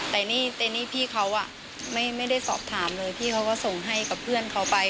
แต่นี่แต่นี่พี่เขาไม่ได้สอบถามเลยพี่เขาก็ส่งให้กับเพื่อนเขาไป